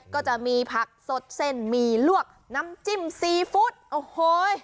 ก็จะมีผักสดเส้นหมี่ลวกน้ำจิ้มซีฟู้ดโอ้โห